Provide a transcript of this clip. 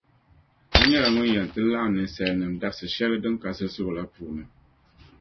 A nyɛla Ŋun yɛn ti laɣim ninsalinim’ dabsi’ shεli din ka zilsigu la puuni.